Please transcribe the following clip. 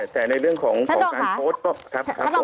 แต่ในเรื่องของของการโทษ